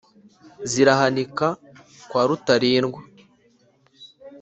zirahanika kwa rutarindwa